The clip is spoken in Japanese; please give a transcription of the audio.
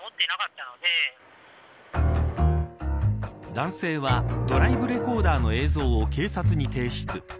男性はドライブレコーダーの映像を警察に提出。